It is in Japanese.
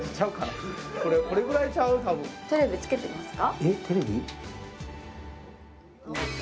テレビ、つけてみますか？